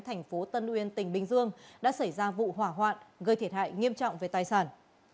thành phố tân uyên tỉnh bình dương đã xảy ra vụ hỏa hoạn gây thiệt hại nghiêm trọng về tài sản